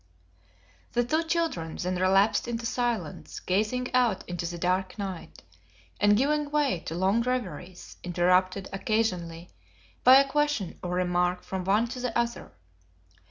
The two children then relapsed into silence, gazing out into the dark night, and giving way to long reveries, interrupted occasionally by a question or remark from one to the other.